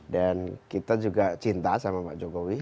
dan kita juga cinta sama pak jokowi